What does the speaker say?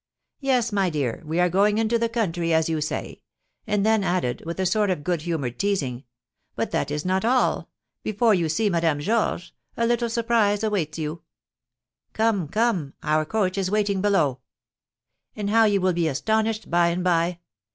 "Yes, my dear, we are going into the country, as you say;" and then added, with a sort of good humoured teasing, "But that is not all; before you see Madame Georges, a little surprise awaits you Come, come, our coach is waiting below! Ah, how you will be astonished by and by!